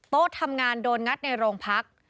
โต๊ะทำงานโดนงัดในโรงพัก